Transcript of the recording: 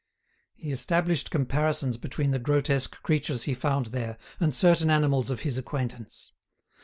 He established comparisons between the grotesque creatures he found there and certain animals of his acquaintance.